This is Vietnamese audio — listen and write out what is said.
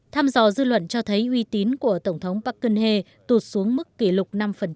tham dò dư luận cho thấy uy tín của tổng thống park geun hye tụt xuống mức kỷ lục năm